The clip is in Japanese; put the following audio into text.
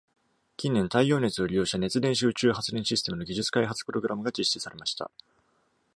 近年、太陽熱を利用した熱電子宇宙発電システムの技術開発プログラムが実施されました。